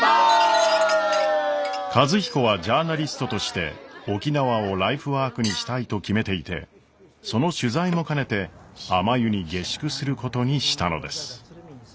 和彦はジャーナリストとして沖縄をライフワークにしたいと決めていてその取材も兼ねてあまゆに下宿することにしたのです。